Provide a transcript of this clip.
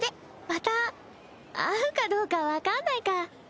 また会うかどうか分かんないか。